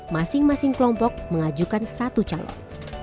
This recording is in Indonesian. masing masing kelompok mengajukan satu calon